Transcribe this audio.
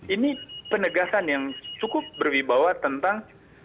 ini penegasan yang cukup berwibawa tentang